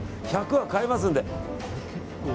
１００は買えますんで。